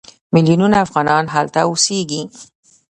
میلیونونه افغانان هلته اوسېږي.